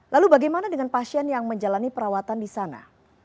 lalu bagaimana dengan pasien yang menjalani perawatan di sana